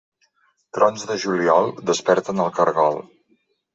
Trons de juliol desperten el caragol.